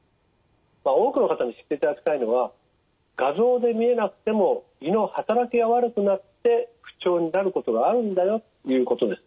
多くの方に知っていただきたいのは画像で見えなくても胃のはたらきが悪くなって不調になることがあるんだよということです。